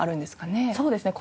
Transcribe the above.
そうですね。